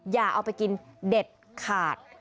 อย่าเอาไปกินเด็ดขาด